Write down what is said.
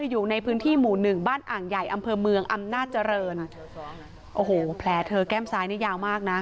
อยู่ในพื้นที่หมู่หนึ่งบ้านอ่างใหญ่อำเภอเมืองอำนาจริงโอ้โหแผลเธอแก้มซ้ายนี่ยาวมากนะ